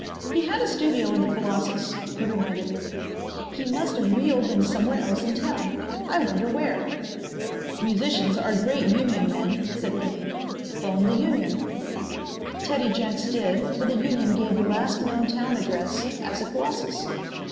"He had a studio in the Colossus," he reminded Linane. "He must have re opened somewhere else in town. I wonder where." "Musicians are great union men," said Linane. "Phone the union." Teddy Jenks did, but the union gave the last known town address as the Colossus.